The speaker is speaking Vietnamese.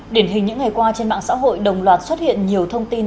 điển hình những ngày qua trên mạng xã hội đồng loạt xuất hiện nhiều thông tin